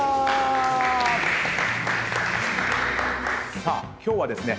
さあ今日はですね